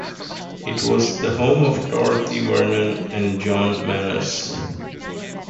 It was the home of Dorothy Vernon and John Manners.